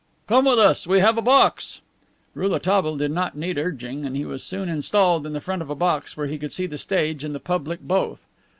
"Come with us; we have a box." Rouletabille did not need urging, and he was soon installed in the front of a box where he could see the stage and the public both.